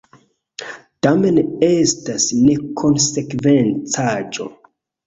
Tamen estas nekonsekvencaĵo.